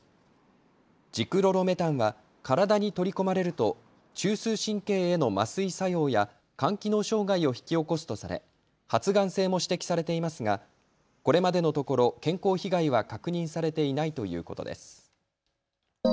ジクロロメタンは体に取り込まれると中枢神経への麻酔作用や肝機能障害を引き起こすとされ発がん性も指摘されていますがこれまでのところ健康被害は確認されていないということです。